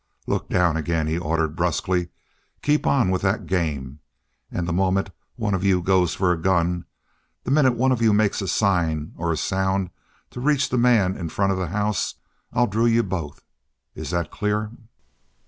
"Look down again!" he ordered brusquely. "Keep on with that game. And the moment one of you goes for a gun the minute one of you makes a sign or a sound to reach the man in front of the house, I drill you both. Is that clear?"